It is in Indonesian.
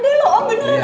beneran ada wujudnya